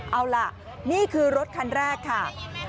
เอาล่ะนี่คือรถคันแรกค่ะ